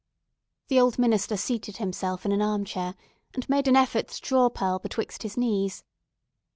The old minister seated himself in an arm chair and made an effort to draw Pearl betwixt his knees.